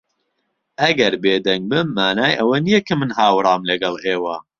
ئەگەر بێدەنگ بم، مانای ئەوە نییە کە من ھاوڕام لەگەڵ ئێوە.